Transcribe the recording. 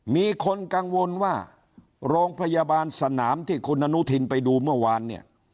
มีคนกังวลว่าโรงพยาบาลสนามที่คุณอนุทินไปดูเมื่อวานเนี่ย